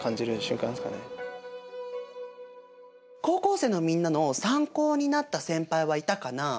高校生のみんなの参考になった先輩はいたかな？